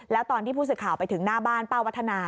แล้วตอนที่ผู้สื่อข่าวไปถึงหน้าบ้านป้าวัฒนา